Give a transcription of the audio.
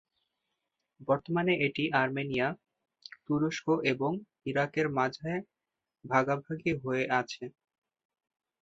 বর্তমানে এটি আর্মেনিয়া, তুরস্ক এবং ইরাকের মাঝে ভাগাভাগি হয়ে আছে।